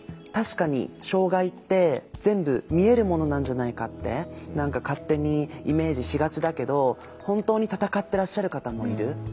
確かに障害って全部見えるものなんじゃないかって何か勝手にイメージしがちだけど本当に闘ってらっしゃる方もいる。